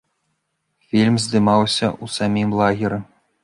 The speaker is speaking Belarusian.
Фільм здымаўся ў самім лагеры.